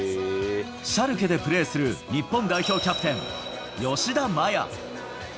シャルケでプレーする日本代表キャプテン、吉田麻也。